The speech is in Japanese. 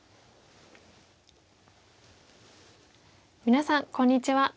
皆さんこんにちは。